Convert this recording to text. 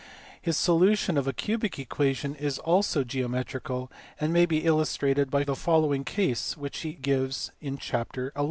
His solution of a cubic equation is also geo metrical, and may be illustrated by the following case which he gives in chapter xi.